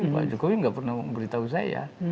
pak jokowi nggak pernah memberitahu saya